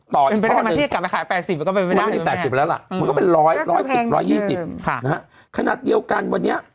ต่ออีกท่อนึงมันไม่ได้๘๐แล้วล่ะมันก็เป็นร้อยร้อยสิบร้อยยี่สิบนะฮะขนาดเดียวกันวันนี้